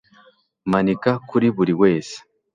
Manika kuri buri wese